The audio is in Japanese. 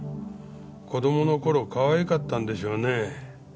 子供の頃かわいかったんでしょうね。